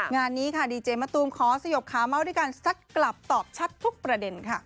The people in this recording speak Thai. งานนี้ค่ะดีเจมะตูมขอสยบขาเม้าด้วยการซัดกลับตอบชัดทุกประเด็นค่ะ